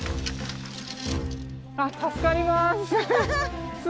あっ助かります。